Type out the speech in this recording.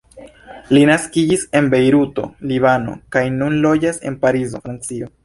Li naskiĝis en Bejruto, Libano, kaj nun loĝas en Parizo, Francio.